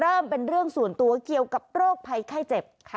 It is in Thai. เป็นเรื่องส่วนตัวเกี่ยวกับโรคภัยไข้เจ็บ